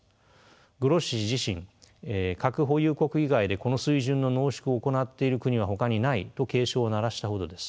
グロッシ氏自身核保有国以外でこの水準の濃縮を行っている国はほかにないと警鐘を鳴らしたほどです。